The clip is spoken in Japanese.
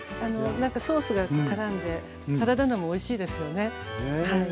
何かソースがからんでサラダ菜もおいしいですよね。